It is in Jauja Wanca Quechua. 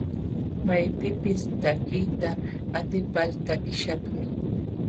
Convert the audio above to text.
Maypipis takiyta atipal takiśhaqmi.